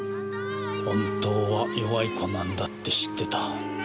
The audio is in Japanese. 本当は弱い子なんだって知ってた。